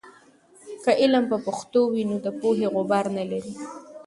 که علم په پښتو وي، نو د پوهې غبار نلري.